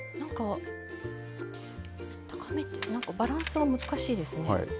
高めってバランスが難しいですね。